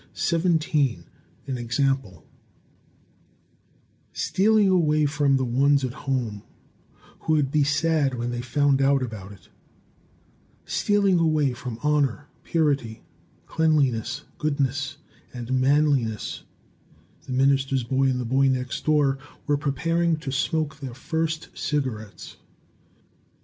E.E. SANBORN. AN EXAMPLE Stealing away from the ones at home, who would be sad when they found out about it; stealing away from honor, purity, cleanliness, goodness, and manliness, the minister's boy and the boy next door were preparing to smoke their first cigarettes.